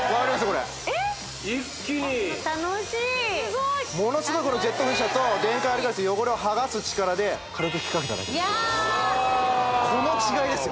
これ楽しいすごいものすごいこのジェット噴射と電解アルカリ水汚れをはがす力で軽く吹きかけただけですいやこの違いですよ